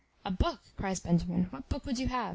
"A book!" cries Benjamin; "what book would you have?